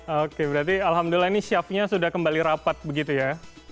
oke berarti alhamdulillah ini syafinya sudah kembali rapat begitu ya